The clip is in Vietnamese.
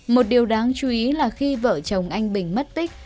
một điều đáng chú ý là khi vợ chồng anh bình mất tích